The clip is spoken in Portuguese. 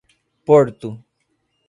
Porto